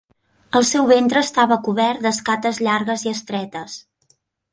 El seu ventre estava cobert d'escates llargues i estretes.